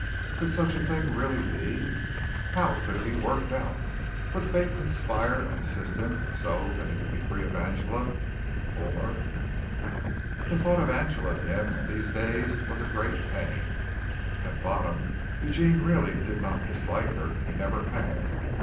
Could such a thing really be? How could it be worked out? Would fate conspire and assist him so that he could be free of Angela or The thought of Angela to him in these days was a great pain. At bottom Eugene really did not dislike her, he never had.